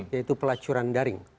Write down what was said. yaitu pelacuran daring